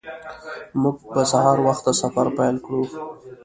موږ به سهار وخته سفر پیل کړو